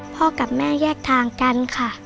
พ่อกับแม่แยกทางกันค่ะ